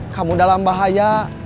kamu dalam bahaya